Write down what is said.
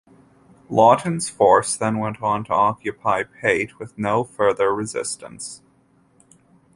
Lawton's force then went on to occupy Paete with no further resistance.